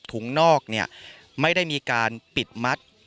นอกเนี่ยไม่ได้มีการปิดมัด